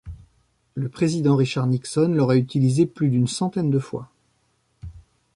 Le président Richard Nixon l'aurait utilisé plus d'une centaine de fois.